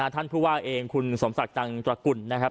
ท่านผู้ว่าเองคุณสมศักดิ์จังตระกุลนะครับ